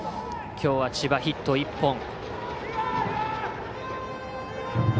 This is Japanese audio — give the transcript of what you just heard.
きょうは千葉、ヒット１本。